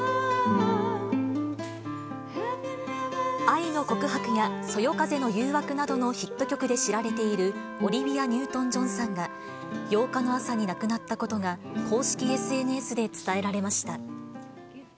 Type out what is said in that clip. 愛の告白や、そよ風の誘惑などのヒット曲で知られているオリビア・ニュートン・ジョンさんが、８日の朝に亡くなったことが、公式ＳＮＳで伝えられました。